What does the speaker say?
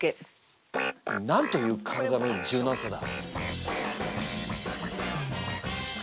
なんという体の柔軟性だ。